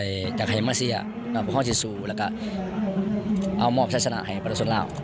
ก็จะข่าวภาษีแล้วก็เอามอบทัศนาให้ปราศนาลาว